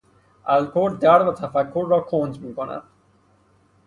الکل درد و تفکر را کند میکند.